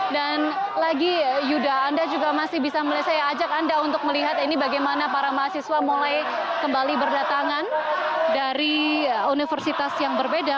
dan lagi yuda anda juga masih bisa melihat saya ajak anda untuk melihat ini bagaimana para mahasiswa mulai kembali berdatangan dari universitas yang berbeda